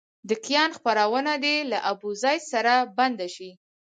د کیان خپرونه دې له ابوزید سره بنده شي.